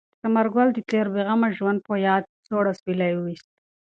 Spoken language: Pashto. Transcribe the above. ثمر ګل د تېر بې غمه ژوند په یاد سوړ اسویلی ویوست.